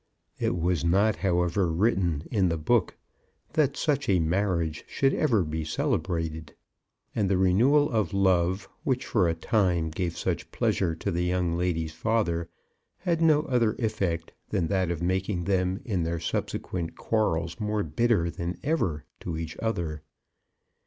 It was not, however, written in the book that such a marriage should ever be celebrated, and the renewal of love which for a time gave such pleasure to the young lady's father, had no other effect than that of making them in their subsequent quarrels more bitter than ever to each other.